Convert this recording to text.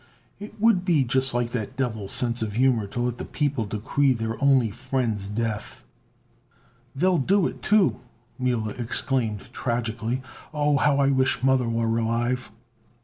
"It would be just like that devil's sense of humor to let the people decree their only friend's death." "They'll do it, too!" Mila exclaimed tragically. "Oh, how I wish Mother were alive!"